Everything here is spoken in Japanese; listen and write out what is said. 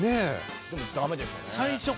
でもダメでしたね